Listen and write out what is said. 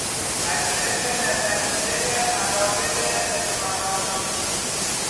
پذیرش نسنجیدهی عقاید افراط آمیز